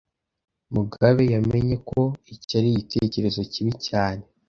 Mugabe yamenye ko icyo ari igitekerezo kibi cyane.